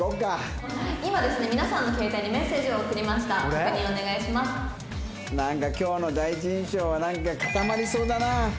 「確認お願いします」なんか今日の第一印象はなんか固まりそうだなあ。